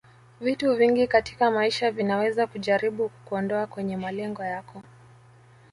Vitu vingi katika maisha vinaweza kujaribu kukuondoa kwenye malengo yako